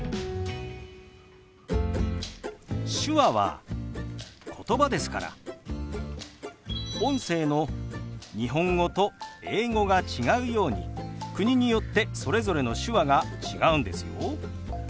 手話はことばですから音声の日本語と英語が違うように国によってそれぞれの手話が違うんですよ。